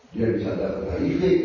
yang bisa dapat hiv